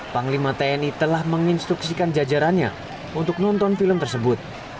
panglima tni telah menginstruksikan jajarannya untuk nonton film tersebut